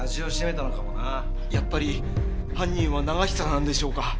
やっぱり犯人は永久なんでしょうか？